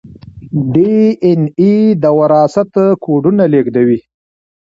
ډي این اې د وراثت کوډونه لیږدوي